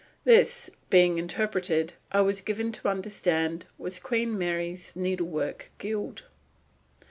This, being interpreted, I was given to understand was Queen Mary's Needlework Guild.